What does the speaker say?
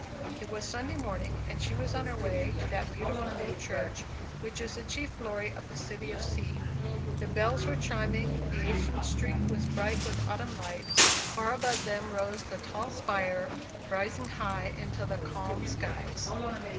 It was Sunday morning, and she was on her way to that beautiful old church which is the chief glory of the city of C . The bells were chiming; the ancient street was bright with autumn light; far above them rose the tall spire, rising high into the calm skies.